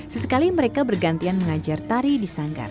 sesekali mereka bergantian mengajar tari di sanggar